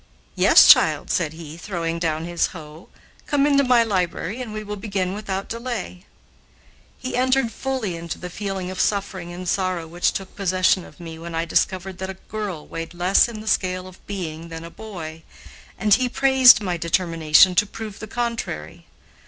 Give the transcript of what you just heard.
"Yes, child," said he, throwing down his hoe, "come into my library and we will begin without delay." He entered fully into the feeling of suffering and sorrow which took possession of me when I discovered that a girl weighed less in the scale of being than a boy, and he praised my determination to prove the contrary.